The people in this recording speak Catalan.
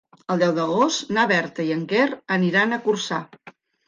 El deu d'agost na Berta i en Quer aniran a Corçà.